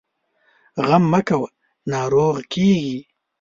غم مه کوه ، ناروغ کېږې!